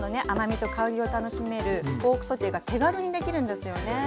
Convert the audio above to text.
甘みと香りを楽しめるポークソテーが手軽にできるんですよね。